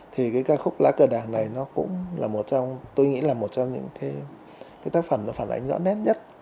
thì cái ca khúc lá cờ đảng này nó cũng là một trong tôi nghĩ là một trong những cái tác phẩm nó phản ánh rõ nét nhất